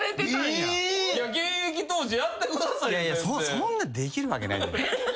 そんなできるわけない。